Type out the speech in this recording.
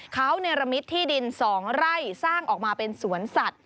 เขาเนรมิตที่ดิน๒ไร่สร้างออกมาเป็นสวนสัตว